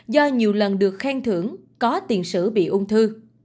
do nhiều lần được khen thưởng có tiền sử bị ung thư